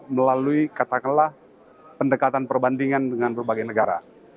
melalui katakanlah pendekatan perbandingan dengan berbagai negara